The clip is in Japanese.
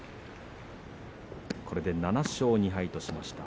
これで７勝２敗としました。